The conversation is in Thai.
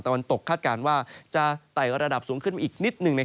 วันตกคาดการณ์ว่าจะไต่ระดับสูงขึ้นมาอีกนิดหนึ่ง